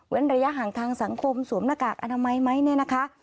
ระยะห่างทางสังคมสวมหน้ากากอนามัยไหมเนี่ยนะคะ